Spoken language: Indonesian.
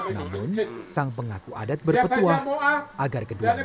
namun sang pengaku adat berpetua ada dua supervisori aslinya